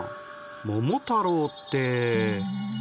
「桃太郎」って。